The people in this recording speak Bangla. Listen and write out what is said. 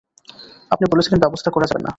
আপনি বলেছিলেন ব্যবস্থা করা যাবে না।